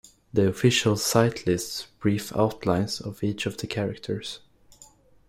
The official site lists brief outlines of each of the characters.